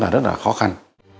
rất là khó khăn